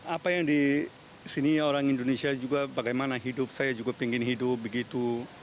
apa yang di sini orang indonesia juga bagaimana hidup saya juga ingin hidup begitu